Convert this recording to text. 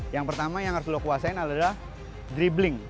yang pertama yang harus lo kuasain adalah dribbling